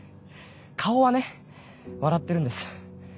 顔はね笑ってるんです。